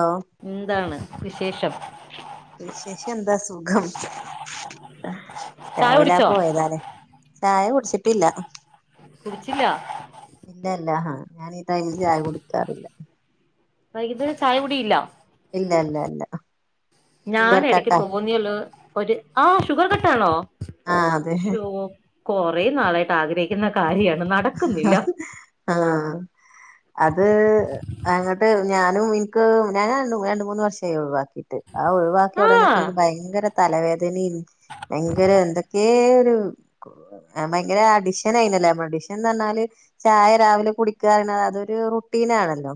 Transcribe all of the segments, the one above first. ഓ ന്താണ് വിശേഷം വിശേഷന്താ സുഖം ചായ രാവിലാ കുടിച്ചോ പോയതാലെ ചായ കുടിച് ട്ടില്ല കുടിച്ചില്ല ഇല്ല ല്ല ആഹ ഞാനീ ടൈമിൽ ചായ കുടിക്കാറില്ല വൈകുനേരം ചായ കുടിയില്ല ഇല്ല ഇല്ല ഇല്ല ഞാൻ ഷുഗർ എടക്ക് കട്ടാ തോന്ന്യാല് ഒര് ആ ഷുഗർ കട്ടാണോ ആഹ് അതെ കൊറെ നാളായ്ട്ടാഗ്രഹിക്കുന്ന കാര്യ ഹ്ആ അത് അങ്ങട്ട് ഞാനു ഇൻക്ക് ഞൻ രണ്ട മൂന്ന് വർഷമായി ട്ട് ആ ഒഴിവാക്യാ ആ ഒടനൊക്കെ ൻക്ക് ഭയങ്കര തലവേദനീം ഭയങ്കര എന്തൊക്കെ രൂ ഭയങ്കര അടിഷനെനല്ലോ ന്നറഞ്ഞാല് ചായ രാവിലെ കുടിക്യാറിയണത് അതൊരു റുട്ടീനാണല്ലോ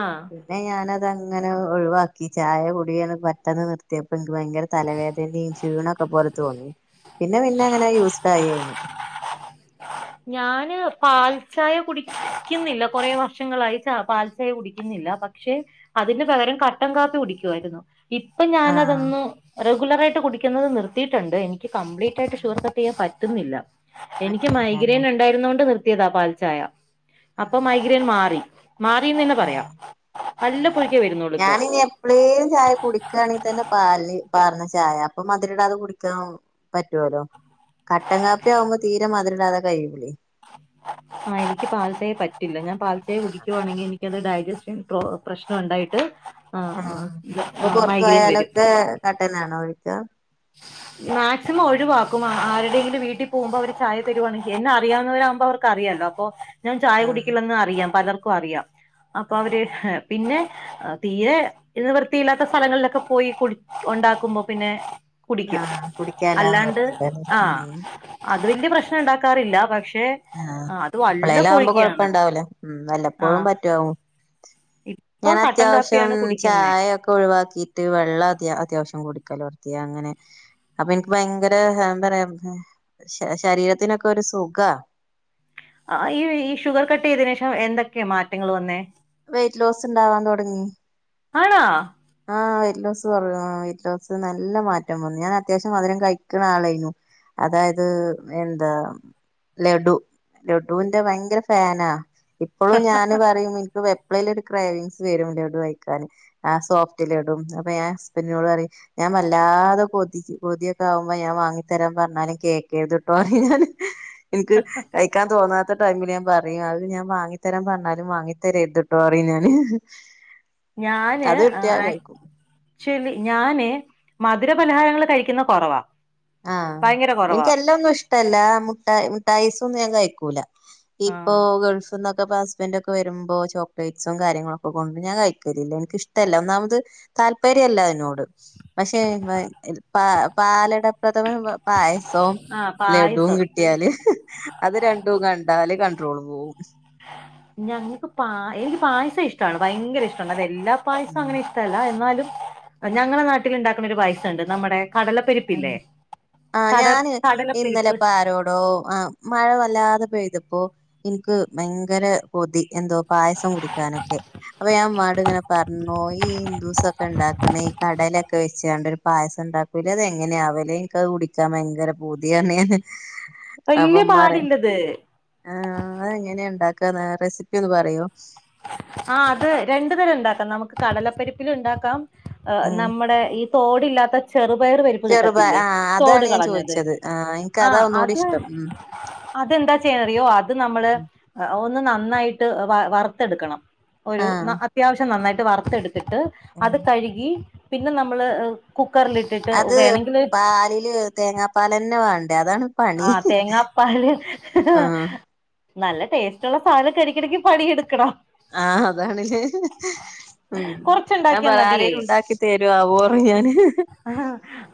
ആ പിന്നെ ഞാനത് അങ്ങനെ ഒഴിവാക്കി ചായ കൂടിയത് പറ്റത് നിർത്തിയെപ്പോ ഇൻക്ക് ഭയങ്കര തലവേദനീം ക്ഷീണൊക്കെ ഒക്കപോലെ തോന്നി പിന്നെ പിന്നെ അങ്ങനെ യൂസ്ഡായി അയിന് ഞാന് പാൽചായ കുടിക്ക്ന്നില്ല കൊറേ വർഷങ്ങളായി ച പാൽ ചായ കുടിക്കുന്നില്ല ല്ലാ പക്ഷെ അതിന്ന് പകരം കട്ടൻ കാപ്പി കുടിക്കുവായിരുന്നു ഇപ്പൊ ആഹ് ഞാനതൊന്നു റെഗുലർ ആയിട്ട് കുടിക്കുന്നത് നിർത്തീട്ടൊണ്ട് എനിക്ക് കംപ്ലീറ്റയിട്ട് ഷുഗർ കട്ടീയ്യാൻ പറ്റുന്നില്ല എനിക്ക് പറ്റുന്നില്ലല്ലേ മൈഗ്രെൻ ഉണ്ടായിര്ന്നൊണ്ട് നിർ ത്തിയത പാൽച്ചായ അപ്പൊ മൈഗ്രൈൻ മാറി മാറിന്നന്നെ പറയാ ആ ഞാനിനി എപ്ലേലും ചായ കുടിക്കാണെതന്നെ പാലിൽ പാർന്ന ചാ ചായ അപ്പൊ മധുരടാതെ കുടിക്കാൻ പറ്റോലോ കട്ടൻഗാപ്പി ആവുമ്പോ തീരെ മധുരടാതെ കു കയ്യൂലെയ് ആ എൻക്ക് പാൽചായ പറ്റില്ല ഞാൻ പാൽചായ കുടിക്കുവാണെങ്കി എനിക്കത് ഡയജസ്റ്റ് പ്രശ്ണൊണ്ടായിട്ട് ആഹ് അപ്പൊ മ്മ്ഹ്ഹ് പൊറത്തു മൈഗ്രെയിൻ വരും പോയാലൊക്കെ കട്ടനാണോ ഒഴിക്കാ മാക്സിമം ഒഴിവാക്കും ആരുടെങ്കിലും വീട്ടിപോവുമ്പോ അവര് ചായ തരുവാണെങ്കി എന്നെ അറിയാവുന്നവരാവുമ്പോ വർക്കറിയാല്ലോ അപ്പൊ ഞാൻ ചായ ആഹ് കുടിക്കില്ലെന്ന് അറിയാം പലർക്കു അറിയാം അപ്പൊ ആഹ് അവര് പിന്നെ തീരെ നിവൃത്തിയില്ലാത്ത സ്ഥലങ്ങളിലൊക്കെ പോയി കുടി ഒണ്ടാക്കുമ്പോ പിന്നെ കുടിക്കും ആഹ് കുടിക്കാല്ലാ അല്ലാണ്ട് നിവർത്തിയില്ലല്ലേ ആ ഉം അത് വല്യേ പ്രശ്നണ്ടാക്കാറില്ല പക്ഷേ ക്ഷെ ആഹ് ആ അത് എപ്പളേലും ആവുമ്പോ വല്ലപോയോക്കയാണ് കൊഴപ്പണ്ടാവൂല ഉം ആഹ ഞാനത്യാവശ്യം കുടിക്കുന്നെ ചായൊക്കെ ഒഴിവാക്കിട്ട് വെള്ള അത്യ അത്യാവശ്യം കുടിക്കും കലോർത്തിയങ്ങനെ അപ്പൻക്ക് ഭയങ്കര ന്തറയാപ്പോ ശരി ശരീരത്തിനൊക്കെരു സുഖാ ആ ഈ ഈ ഷുഗർ കട്ടീതിനേഷം എന്തൊക്കെ മാറ്റങ്ങൾ വന്നേ വെയ്റ്റ് ലോസ് ണ്ടാവാന് തൊടങ്ങി ആണാ ആ വെയ്റ്റ്ലോസ് വന്നു ആ വെയ്റ്റ്ലോസ് നല്ല മാറ്റം വന്നു ഞാനത്യാവശ്യം മധുരം കഴിക്കണാളെയ്നു അതായത് എന്താ ലഡു ലഡൂന്റെ വയ്ങ്കര ഫെനാ ഇപ്പോളും ഞാന് പറീം നിക്ക് വെപ്ലൈലൊരു ക്രേവിങ്സ് വരും ലഡവയ്ക്കാൻ ആ സോഫ് റ്റ് ലഡും അപ്പൊഞാ ഹസ്ബൻഡിനോടറീം ഞാവല്ലാതെ കൊതി കൊതിയൊക്കാവുമ്പോ ഞാ വങ്ങിത്തരാം പറഞ്ഞാലും കേക്കേത്ട്ടോറിം ഞാന് ഹ്ഹ ൻക്ക് കയ്ക്കാൻ തോന്നാ ത്തെ ടൈമിലാൻ പറീം അത് ഞാ വാങ്ങിത്തരാം പറഞ്ഞാലും വാങ്ങിത്തരെര്ത്ട്ടോറിം ഞാന് ഹി ഞാന് ആ ഞൻ കഴിക്കും ഞാന് മധുരപലഹാരങ്ങള് കഴിക്കുന്ന കൊറവാ ആഹ എനക്ക് എല്ല ഒന്നും ഇഷ്ടല്ല മുട്ട മുട്ടായീസ് ഒന്നും ഞാൻ കഴിക്കൂല ഇപ്പൊ ആഹ് ഗൾഫിന്നൊക്കെ ഹസ്ബൻഡറ് ഒക്കെ വരുമ്പോ ചോക്ലേറ്റ്സും കാര്യങ്ങളൊക്കെ കൊണ്ടരും ഞാ കഴിക്കലില്ല ഇനിക്കിഷ്ടല്ല ഒന്നാമത് താല്പര്യല്ല അതിനോട് പക്ഷെ പ പ പാലട പ്രേദമനൊപ്പം പായസൂം ആഹ് ലെഡും പായസം കിട്ട്യാല് ഹേ ഹി അത് രണ്ടും കണ്ടാല് കണ്ട്രോള് പോവും ഞങ്ങക്ക് പ എനിക്ക് പായസം ഇഷ്ടമാണ് ഭയങ്കര ഇഷ്ടമാണ് അത് എല്ലാ പായസവും അങ്ങനെ ഇഷ്ടമല്ല എന്നാലും ഞങ്ങളെ നാട്ടിലുണ്ടാക്കണ ഒരു പായസണ്ട് നമ്മടെ ആ ഞാന് ഇന്നലെ കടലപ്പരിപ്പ് ഇപ്പ ആരോടോ ആ മഴ വല്ലാതെ പെയ്തപ്പോ എനിക്ക് ഭയങ്കരകൊതി എന്തോ പായസം കുടിക്കാനൊക്കെ അപ്പൊ ഞാൻഇമ്മാനോട് പറഞ്ഞു ഈ ഹിന്ദൂസൊക്കെ ഉണ്ടാക്ക ഈ കടലൊക്കെ വെച്ചാണ്ടൊരു പായസം ഉണ്ടാക്ക അതെങ്ങനെ ആവല് എനിക്ക് അത് കുടിക്കാൻ ഭയങ്കര പൂതിയാണ് ഹി ഹി വല്യ അപ്പമ്മ റയ പാടില്ലത് ആഹ അതെങ്ങനെയണ്ടാക്ക ഏ റെസിപ്പി ഒന്ന് പറയോ ആ അത് രണ്ടു തരം ഉണ്ടാക്കാം നമുക്ക് കടലപ്പരിപ്പിലും ഉണ്ടാക്കാം ഏ ഉം നമ്മുടെ ഈ തോടില്ലാത്ത ചെറുപയർ പരിപ്പ് ചെറുപ കിട്ടത്തില്ലേ ആഹ് തോട് അതാണ് ഞാൻ കളഞ്ഞത് ചോദിച്ചത് ആഹ് എനിക്ക് ആ അതാ ഒന്നുകൂടി അത് ഇഷ്ടം ഉം അതെന്താ ചെയ്യറിയോ അത് നമ്മള് ഒന്ന് നന്നായിട്ട് വ വറുത്തെടുക്കണം ഒരു ആഹ് ന അത്യാവശ്യം നന്നായിട്ട് വറുത്തെടുത്തിട്ട് ഉം അത് കഴുകി പിന്നെ നമ്മള് ഏ അത് പാലില് തേങ്ങാപ്പാലെന്നെ വേണ്ടേ അതാണ് പണി ആഹ തേങ്ങാപ്പാല് ഹി ഹി ആഹ് നല്ല ടേസ്റ്റ് ഉള്ള സാധനം കഴിക്കണെങ്കി പണിയെടുക്കണം ആഹ അതാണ് ഹേ ഹി ഉം കൊറച്ചുണ്ടാക്കിയാ ഞാൻപറ മതിയേ ആരേലും ഉണ്ടാക്കി തരോ ആവോ റിയാന് ഹേ ഹി ആഹ്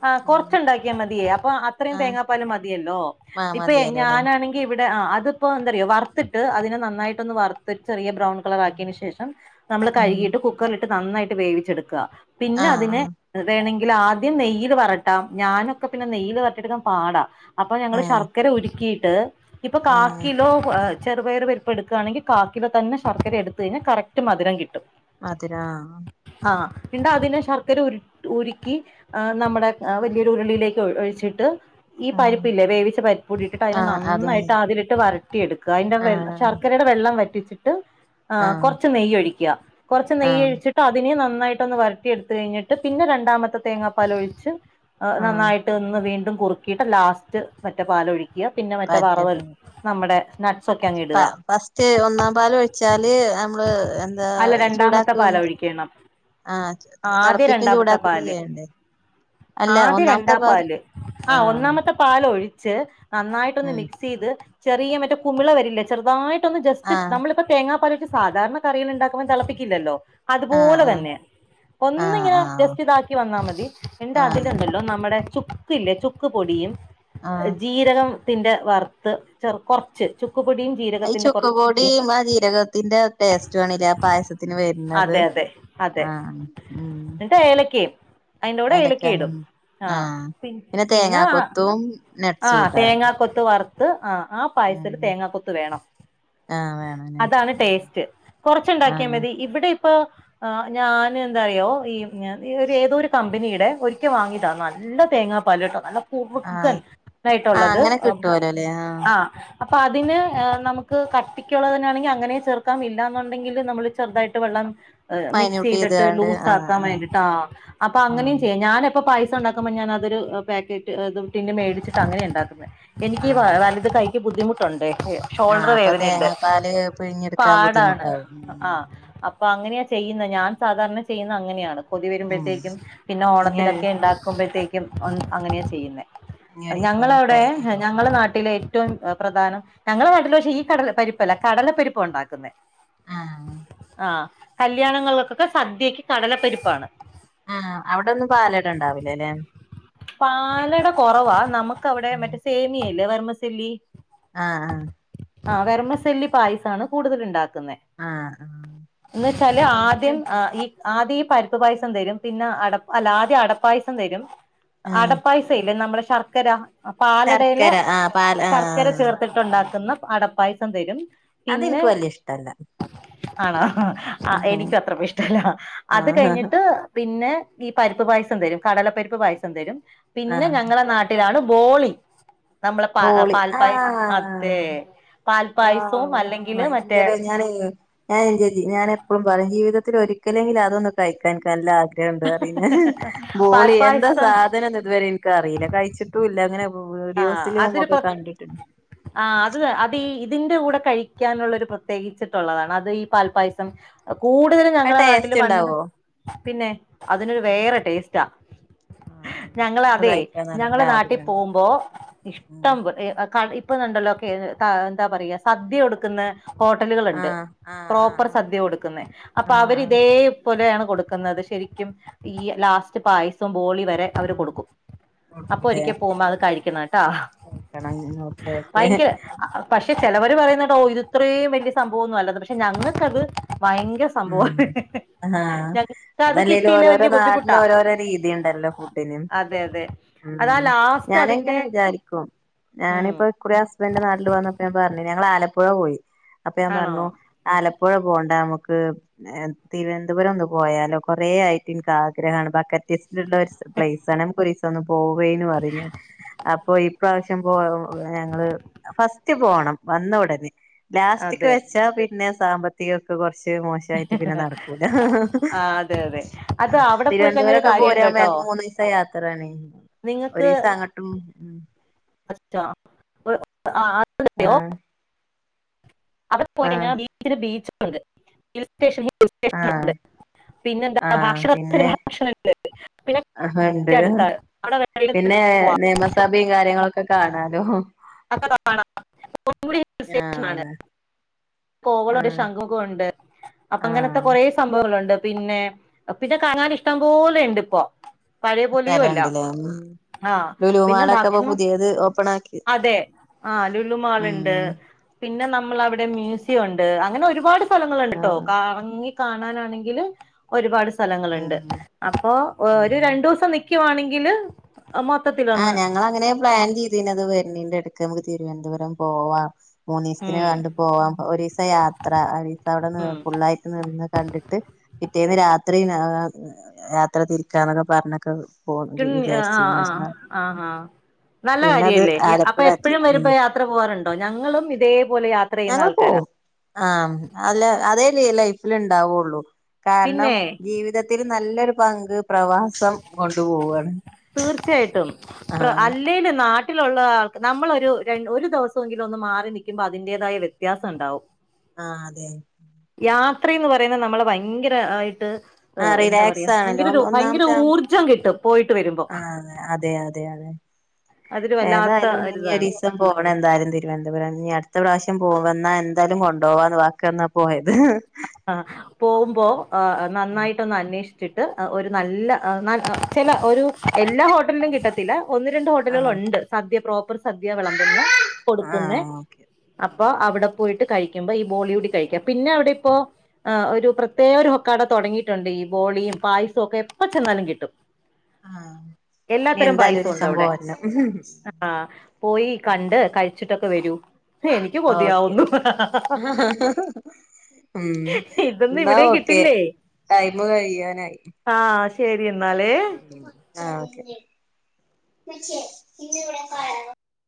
ആ കൊറച്ച ഉണ്ടാക്കിയാ മതിയേ അപ്പൊ അത്രയും ആഹ് തേങ്ങാപ്പാല് മതിയല്ലോ ആഹ് ഇപ്പെ ഞാൻ മതിയാലോല്ലേ ഞാനാണെങ്കിൽ വ്ടെ ആ അതെപ്പോ ന്താ റിയോ വർത്തിട്ട് അതിനെ നന്നായിട്ടൊന്ന് വർത്തിട്ട് ചെറിയ ബ്രൗൺ കളർ ആക്കിയതിനു ശേഷം നമ്മൾ ഉം കഴുകിയിട്ട് കുക്കറിലിട്ട് നന്നായിട്ട് വേവിച്ചെടുക്ക പിന്നെ ആഹ് അതിനെ ആഹ് ണെങ്കിൽ ആദ്യം നെയ്യിൽ വരട്ടാം ഞാനൊക്കെ പിന്നെ നെയ്യിൽ വരട്ടി എടുക്കാൻ പാടാ അപ്പൊ ഞങ്ങള് ആഹ് ശർക്കര ഉരുക്കിയിട്ട് ഇപ്പൊ ആഹ് കാക്കിലോ ആ ചെറുപയർ പരുപ്പ് എടുക്കുകണെങ്കിൽ കാക്കില തന്നെ ശർക്കര എടുത്ത് കഴിഞ്ഞ കറക്റ്റ് മധും കിട്ടും അതരാ ആ പിന്നെ അതിന് ശർക്കരഉരുക്കി ഉരു ക്കി ആ നമ്മുടെ വലിയൊരു ഉരുളിയിലേക്ക് ഒഴിച്ചിട്ട് ഈ ആഹ് ആഹ് പരിപ്പ്ില്ലേ വേവിച്ച പരിപ്പ കൂടിട്ടിട്ട് അതിനെ ആഹ് അതും നന്നായിട്ട് കൂടി അതിലിട്ട് വരട്ടിയെടുക്കുക അതിന്റെ ആഹ് ശർക്കരയുടെ വെള്ളം വറ്റിച്ചിട്ട് ആ ആഹ് കുറച്ചു നെയ് ഒഴിക്കുക കുറച്ചു നെയ് ആഹ് ഒഴിച്ച് ട്ട് അതിനെ നന്നായി നായിട്ടൊന്ന് വരട്ടി എടുത്ത കഴിഞ്ഞിട്ട് പിന്നെ രണ്ടാമത്തെ തേങ്ങാപ്പാല ഒഴിച്ച് ആഹ് നന്നായിട്ട് ഒന്ന് വീണ്ടും കുറുക്കിയിട്ട് ലാസ്റ്റ് മറ്റേ പാലൊഴിക്കുക പിന്നെ മറ്റേ വറവ പറ്റപ്പം നമ്മുടെ നട്ട്സൊക്കെ അങ്ങ് പ ഇടുക ഫസ്റ്റ് ഒന്നാം പാല് ഒഴിച്ചാല് നമ്മള് എന്താ അല്ല രണ്ടാമത്തെ പാല ചൂടാക്കുംന്ത ഒഴിക്കണം ആഹ് ആദ്യ തിളപ്പിക്ക രണ്ടാമത്തെ പാല് അല്ല ആദ്യം ഒന്നാമത്തെ രണ്ടാം പാ പാല് ആ ആഹ് ഒന്നാമത്തെ പാൽ ഒഴി ച് നന്നായിട്ടൊ ന്ന് ആഹ് മിക്സ് ചെയ്ത് ചെറിയ മറ്റെ കുമിള വരില്ലേ ചെറുതായിട്ട ട്ട് ജസ്റ്റ് ആഹ് നമ്മളിപ്പോ തേങ്ങാപാൽ സാധാരണ കറികൾ ഉണ്ടാക്കുമ്പോൾ തിളപ്പിക്കില്ലല്ലോ അതുപോലെ ആഹ് തന്നെ ആഹ് ഒന്നിങ്ങനെ ആഹ് ജസ്റ്റ് ഇതാക്കി വന്നാൽ മതി എന്റെ ആഹ് അതിലുണ്ടല്ലോ നമ്മുടെ ചുക്ക് ഇല്ലേ ചുക്ക് പൊടിയും ആഹ് ആഹ് ജീരകത്തിന്റെ വറുത്ത് കുറച്ച് പൊടിയും ഈ ജീരകത്തിന്റെ കുറച്ച് ചുക്ക്പൊടി പൊടിയും ഇമ്മളെ ജീരകത്തിന്റെ ടേസ്റ്റാണ്ലെ ആ പായസത്തിന് വെര്ണത്? അതെ അതെ ആ അതെ മ്മ് എന്നിട്ട് ഏലക്കയും അതിന്റെ കൂടെ ഏലക്ക ഏലകേ ഇടും ഉം.. ആ പി പിന്നെ തേങ്ങാ പിന്നെ കൊത്തും.. ആ തേങ്ങാക്കൊത്ത് വറത്ത് ഹ്ആ ആ ഉം പായസത്ത്ക്ക് തേങ്ങാക്കൊത്ത് വേണം. ആഹ് വേണല്ലേ അതാണ് ഉം ടേസ്റ്റ്. കൊറച്ച്ണ്ടാക്കിയാൽ ആഹ് മതി ഇവിടെ ഇ - [inaudible] ആ ഞാൻ എന്താറയോ ഈ പിന്നെ ഏതോരു കമ്പനീടെ ഒരിക്കൽ വാങ്ങീതാ നല്ല തേങ്ങ പാല്ട്ടോ നല്ല ആഹ് കുറുക്കൻ ആഹ് ആയിട്ടുള്ളത് അങ്ങനെ അ കിട്ടുവല്ലോല്ലേ ആഹ് ആ. അപ്പൊ അതിന് നമുക്ക് കട്ടിക്കുള്ളതിനാണെങ്കിൽ അങ്ങനേം ചേർക്കാം ഇല്ല എന്നുണ്ടെങ്കില് നമ്മള് ചെറുതായിട്ട് വെള്ളം- ഹാ മിക്സ് മൈന്യൂട്ട് ചെയ്തിട്ട് ചെയ്താണ്ട് ലൂസ് ആഹ് ആക്കാൻ ആഹ് വേണ്ടിയിട്ടാ അപ്പൊ അങ്ങനെയും ആഹ് ചെയ്യാം ഞാാനിപ്പൊ പൈസ- ക്സുണ്ടാക്കുമ്പോ ഞാനതൊരു അ പാക്കറ്റ് അതും ടിന്ന് മേടിച്ച്ട്ട് അങ്ങനെ ഇണ്ടാക്കുന്നെ. എനിക്കീ വ ആഹ് വലതുകൈക്ക് - ക്ക് ബുദ്ധിമുട്ടൊണ്ടെ. ഇക്ക് ആഹ് ഷോൾഡർ അപ്പൊ വേദനേണ്ട്. തേങ്ങാപ്പാല് പിഴിഞ്ഞെടുക്കാൻ പാടാണ് ബുദ്ധിമുട്ടാവും അ ആ ഉം അപ്പൊ അങ്ങനെയ- ചെയ്യുന്ന ഞാൻ സാധാരണ ചെയ്യുന്ന അങ്ങനെയാണ് കൊതി ഉം വരുമ്പോഴത്തേക്കും പിന്നെ ഇനി ഓണത്തിനൊക്കെ ഉണ്ടാക്കുമ്പോഴത്തേക്കും, ക്കും അ അങ്ങനെയാ ചെയ്യുന്നെ. ഇനി ഒരീസം ഒന്ന് ട്രൈ ഞങ്ങളവിടെ ചെയ്ത് നോക്കണം ഞങ്ങളെ നാട്ടിലെയ്- ഏറ്റവും അ പ്രധാനം. ഞങ്ങളെ നാട്ടില് പക്ഷെ ഈ കടല പരിപ്പല്ല കടലപ്പരിപ്പാ ഉണ്ടാക്കുന്നെ. ആഹ് ആഹ കല്യാണങ്ങൾലൊക്കെക് സദ്യക്ക് കടലപ്പരിപ്പാണ്. ആഹ അവടൊന്നും പാലട ഇണ്ടാവൂലലെ? പാലട കൊറവാ, നമുക്കവടെ മറ്റേ സേമിയല്ലേ വർമസെല്ലി- ആഹ്ആ ആ വർമസെല്ലി പായ്സാണ് കൂടുതല്ണ്ടാ- ക്ക്ന്നെ? ആഹ് ആഹ് ആഹ് എന്ന് വെച്ചാല് എനിക്ക് ആദ്യം ആ ഈ- ആദ്യം ഈ പരുപ്പ് പായസം തരും. പിന്നെ അട അല്ല ആദ്യം അടപ്പായസം തരും, ആഹ് അടപ്പായസില്ലേ നമ്മളെ ശർക്കര? അ -പാലടയിലെ ശർക്കര ആഹ് പാൽ ആഹ് ശർക്കര ഓക്കെ ആഹ് ചേർത്തിട്ടുണ്ടാക്കുന്ന അടപ്പായസം തരും പിന്നെ ക്ക് വല്ല്യേ ഇഷ്ടല്ല. ആണോ ആ ആഹ് എനിക്കും അത്രക്ക് ഇഷ്ടല്ല. അത് ആഹ് കഴിഞ്ഞ്ട്ട് പിന്നെ, ഈ പരിപ്പ് പായസം തരും. കടലപ്പ- തരും പിന്നെ ഞങ്ങളെ നാട്ടിലാണ് ബോളി നമ്മളെ പാ ബോളി പാൽപ്പായസ് അതെ? ആഹ് പാൽ വൗ ഭയങ്കര ഞാനെ ഞാനെ [unintelligible] ഞാനെപ്പളും പറയും ജീവിതത്തില് ഒരിക്കലെങ്കിലും അതൊന്ന് കഴിക്കാൻ ഇൻക് നല്ല ആഗ്ര- എന്താ പിന്നെ ഹ്ഹേ ബോളി എന്താ പാൽപ്പായസം സാധനംന്ന് ഇതുവരെ ഇൻക് അറിയില. കഴിച്ച്ട്ടൂല്ല ഇങ്ങനെ - ആ അതൊരു പ ആ അത് വേ അത് ഈ - ഇതിന്റെ കൂടെ കഴിക്കാനുള്ളൊരു പ്രത്യേകിച്ചിട്ടുള്ളതാണ് അത് ഈ പാൽപ്പായസം ഒ - കൂടുതലും അത് ഞങ്ങളെ നാട്ടില് ടേസ്റ്റ് പണ്ട് ഉണ്ടാവോ പിന്നെ അതിനൊരു വേറെ ടേസ്റ്റാ. ആഹ് ഞങ്ങള് ഒന്ന് അതെ കഴിക്കാൻ നല്ല ഞങ്ങള് നാട്ടീ ആഗ്രഹണ്ട് പോകുമ്പോ, ഇഷ്ടംബ് ഇ ഹ് കഴി ഇപ്പുന്നുുണ്ടല്ലോ ക്കെ ഏ എന്താ പറയാ സദ്യ കൊടുക്കുന്ന [unintelligible] ഹോട്ടലുകള്ണ്ട്. ആഹ് ആഹ് ആഹ് പ്രോപ്പർ ആഹ് സദ്യ കൊടുക്കുന്നെ. അപ്പൊ ആഹ് ആഹ് അവരിതേ പോലെയാണ് കൊടുക്കുന്നത് ശരിക്കും ഈ ലാസ്റ്റ് പായസം ബോളി വരെ അവര് ആഹ് കൊടുക്കും. അപ്പൊ കൊടുക്കൂലേ ഒരിക്കെ പോവുമ്പോ അത് കഴി - ക്ക്ന്നാ ട്ടോ കഴിക്കണം ഓക്കെ ഓക്കെ [unintelligible] പക്ഷെ ചെലവര് പറയുന്ന കേട്ടാ ഓ ഇത് ഇത്രയും വലിയ സംഭവം ഒന്നും അല്ല ത് പക്ഷെ ഞങ്ങക്കത്- ഭയങ്കര സംഭവാണ്. ഉം ആഹ് ഞ ങ്ങക്കത് അതല്ലേലും കിട്ടിയില്ലെ ഓരോരോ വലിയ നാടിന് ബുദ്ധിമുട്ടാ. ഓരോരോ രീതി ഉണ്ടല്ലോ ഫുഡിന് അതെ അതെ അതാ ഉം ലാസ്റ്റ് ഞാനങ്ങനെ അതിന്റെ- വിചാരിക്കും. ഉം ഞാനിപ്പോ കുറെ ഹസ്ബൻന്റ് നാട്ടില് വന്നപ്പോ ഞാൻ പറഞ്ഞീനു. ഞങ്ങള് ആലപ്പുഴ പോയി. അപ്പൊ ഞാൻ ആണോ പറഞ്ഞു ആലപ്പുഴ പോണ്ട നമ്മക്ക്- മ്മക്ക് ഏ തിരുവനന്തപുരം ഒന്ന് പോയാലോ കൊറേ ആയിട്ട് ഇൻക് ആഗ്രഹാണ് ബക്കറ്റ് - [unintelligible] പ്ലേസനം കുറിച്ച് [unintelligible] ഒന്ന് പോവേന്ന് പറയുന്നു അപ്പൊ ഈ ഇപ്രാവശ്യം [unintelligible] ഞങ്ങള് ഫസ്റ്റ് പോണം വന്ന ഉടനെ ലാസ്റ്റിക് അതെ വെച്ചാ പിന്നെ സാമ്പത്തികൊക്കെ കൊറ ച്ച് മോശായിട്ട് പിന്നെ നടക്കൂല. ആ അതെ അതെ ആ അത് അവിടെ പോയി കഴിഞ്ഞ ഒരു തിരുവനന്തപുരൊക്കെ കാര്യണ്ട് പോരാവുമ്പോ കേട്ടോ ഞങ്ങക്ക് മൂന്ന് ദിവസ യാത്രയാണ് നിങ്ങൾക്ക് ഒരീസം അങ്ങട്ടും [unintelligible] അറിയോ ആഹ് അവിടെ പോയിക്കഴിഞ്ഞ ബീച്ചില് ബീച്ചുണ്ട് ആ [unintelligible] പിന്നെ എന്താ ഭക്ഷണത്തിന് ഭക്ഷണംണ്ട് ഹ ഹാ ഇണ്ട് അവിടെ വേണമെങ്കിൽ പിന്നെ നിങ്ങൾക്ക് നിയമസഭയും കാര്യങ്ങളൊക്കെ കാണാലോ പൊന്മുടി ഹിൽ സ്റ്റേഷനാണ് ആ അതെ കോവളം ആ ഒരു ശംഖുമുഖണ്ട്. അപ്പൊ ആ ഇങ്ങനത്തെ കൊറേ സംഭവങ്ങളുണ്ട് പിന്നെ പിന്നെ കാണാൻ ഇഷ്ടം പോലെ ഉണ്ട് ഇപ്പൊ പഴയപോലെയോ അല്ല സ്ഥലംണ്ടല്ലേ ഉം ആഹ് ലുലു പിന്നെ മാളൊക്കെ ഇപ്പൊ ഭക്ഷണം പുതിയത് ഓപ്പൺ ആക്കി അതെ ആഹ് ലുലു ഉം മാളുണ്ട് പിന്നെ നമ്മള അവിടെ മ്യൂസിയം ഉണ്ട്. അങ്ങനെ ഒരുപാട് സ്ഥലങ്ങളുണ്ട് ആ കെട്ടോ കറങ്ങി കാണാനാണെങ്കില് ഒരുപാട് സ്ഥലങ്ങളുണ്ട്. ഉം അപ്പോ ഒരു ഉം രണ്ടൂസം നിക്കുവാണെങ്കി ങ്കില് ആഹ് ഞങ്ങൾ അങ്ങനെ പ്ലാൻ ചെയ്തീന്നത്. വെരണീന്റെടക്ക് നമുക്ക് തിരുവനന്തപുരം പോവാം മൂന്നീസത്തിന് ഉം കണ്ട് പോകാം. ഒരീസം യാത്ര ഒരു ദീസം അവിടെ ഉം ഫുള്ളായിട്ട് നിന്ന് കണ്ടിട്ട് പിറ്റേന്ന് രാത്രി യാത്ര തിരിക്കാന്നൊക്കെ പറഞ്ഞ്ക്കണത് [unintelligible] വിചാരിച്ചിന്ന് പക്ഷേ ആഹാ നല്ല കാര്യല്ലേ. അപ്പൊ ആലപ്പുഴ ആക്കി എപ്പഴും ഉം വരുമ്പോ യാത്ര പോവാറുണ്ടോ ഞങ്ങളും ഇതേ ഞങ്ങൾ പോകും. ആഹ് അല്ല അതേ ലൈഫില് ഇണ്ടാവുള്ളു കാരണം പിന്നെ ജീവിതത്തിൽ നല്ലൊരു പങ്ക് പ്രവാസം കൊണ്ടുപോവാണ് തീർച്ചയായിട്ടും ആഹ് അല്ലേലും നാട്ടിലുള്ള ആൾക്ക് നമ്മളൊരു ഒരു ദിവസൊങ്കിലും ഒന്ന് മാറി നിക്കുമ്പോ അതിന്റേതായ വ്യത്യാസം ഇണ്ടാവും ആഹ് അതെ രാത്രിന്ന് പറയുന്നത് നമ്മളെ ഭയങ്കരായിട്ട് ആ ആഹ് എന്താ പറയാ റിലാക്സ് ഭയങ്കര ആണല്ലോ ഒരു ഭയങ്കര ഒന്നാമത് ഊർജ്ജം കിട്ടും പോയിട്ട് വരുമ്പോ ആഹ് അതെ അതെ അതെ അതൊരു വല്ലാത്ത ഏതായാലും ഇഞ്ഞി ഒരിതാണ് ഒരീസം പോണം എന്തായാലും തിരുവനന്തപുരം ഇനി അടുത്ത പ്രാവശ്യം പോവാ ഇന്നാ എന്തായാലും കൊണ്ടു പോവാന്ന് വാക്ക് തന്നാ പോയത് ആ പോകുമ്പോ ആ നന്നായിട്ടൊന്ന് അന്വേഷി ച്ചിട്ട് ഒരു നല്ല ചില ഒരു എല്ലാ ഹോട്ടലിലും കിട്ടത്തില്ല ഒന്ന് രണ്ട് ആഹ് ഹോട്ടലുകളുണ്ട് സദ്യ പ്രോപ്പർ സദ്യ വിളമ്പുന്ന കൊടുക്കുന്ന ആഹ് ഓക്കെ അപ്പൊ അവിടെ പോയിട്ട് കഴിക്കുമ്പോ ഈ ബോളി കൂടി കഴിക്കാ പിന്നെ അവിടിപ്പോ ആ ഒരു പ്രത്യേക ഒരു കട തൊടങ്ങിയിട്ടുണ്ട് ഈ ബോളിയും പായസവും ഒക്കെ എപ്പ ചെന്നാലും കിട്ടും ആഹ് ഇനി എല്ലാത്തരം എന്തായാലും പായസോണ്ട് ഒരീസം അവിടെ പോരണം ആ പോയി കണ്ട് കഴിച്ചിട്ടൊക്കെ വരൂ എനിക്ക് ഓക്കെ കൊതിയാവുന്നു ഉം ഇതൊന്നും ന്നാ ഇവിടെയും ഓക്കെ കിട്ടില്ലേ ടൈമ് കഴിയാനായി ആഹ് ശരി എന്നാലേ ആഹ് ഓകെ